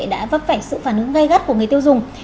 đã vấp phải sự phản ứng gây gắt của người tiêu dùng